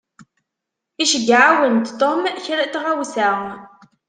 Iceyyeɛ-awen-d Tom kra n tɣawsa.